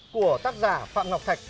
của tác giả phạm ngọc thạch